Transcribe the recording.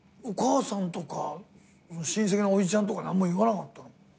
お母さんとか親戚のおじちゃんとか何も言わなかったの？